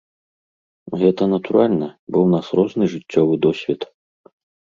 Гэта натуральна, бо ў нас розны жыццёвы досвед.